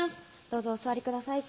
どうぞお座りください